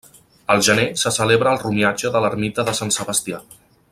Al gener se celebra el romiatge a l'Ermita de Sant Sebastià.